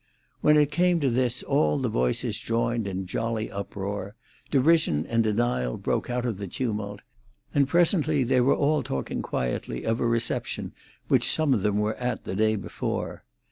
When it came to this all the voices joined in jolly uproar. Derision and denial broke out of the tumult, and presently they were all talking quietly of a reception which some of them were at the day before.